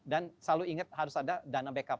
dan selalu ingat harus ada dana backup